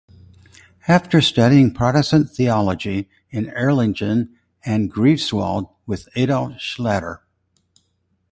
After studying Protestant theology in Erlangen and Greifswald with Adolf Schlatter.